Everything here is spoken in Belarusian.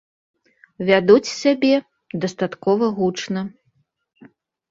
Вядуць сябе дастаткова гучна.